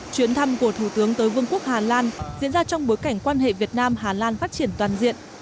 chuyến thăm của thủ tướng tới vương quốc hà lan diễn ra trong bối cảnh quan hệ việt nam hà lan phát triển toàn diện